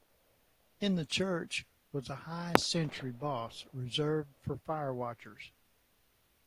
In the church was a high sentry bos reserved for fire-watchers.